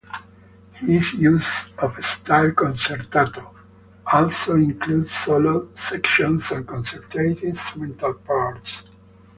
His use of "stile concertato" also included solo sections and concertante instrumental parts.